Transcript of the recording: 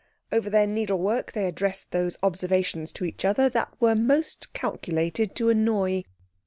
Over their needlework they addressed those observations to each other that were most calculated to annoy.